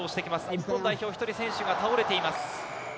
日本代表、１人選手が倒れています。